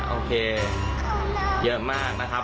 โอเคเยอะมากนะครับ